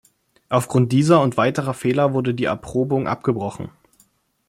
Aufgrund dieser und weiterer Fehler wurde die Erprobung abgebrochen.